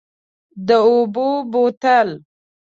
د اوبو بوتل،